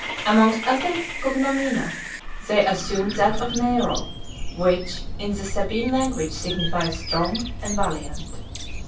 Amongst other cognomina, they assumed that of Nero, which in the Sabine language signifies strong and valiant.